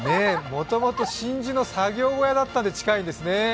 もともと真珠の作業小屋だったんで、近いんですね。